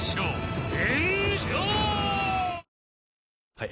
はい。